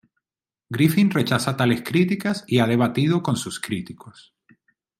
Griffin rechaza tales críticas y ha debatido con sus críticos.